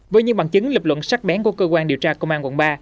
với những bằng chứng lập luận sắc bén của cơ quan điều tra công an quận ba